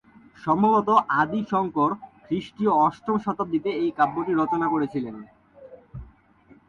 সম্ভবত আদি শঙ্কর খ্রিস্টীয় অষ্টম শতাব্দীতে এই কাব্যটি রচনা করেছিলেন।